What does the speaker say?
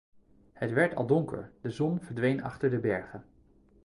Het werd al donker, de zon verdween achter de bergen.